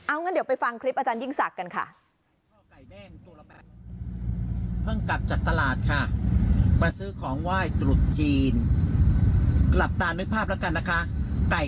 เอางั้นเดี๋ยวไปฟังคลิปอาจารยิ่งศักดิ์กันค่ะ